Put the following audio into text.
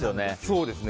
そうですね。